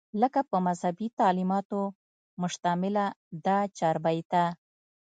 لکه پۀ مذهبي تعليماتو مشتمله دا چاربېته